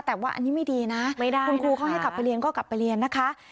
แต่ว่าอันนี้ไม่ดีนะไม่ได้คุณครูเขาให้กลับไปเรียนก็กลับไปเรียนนะคะ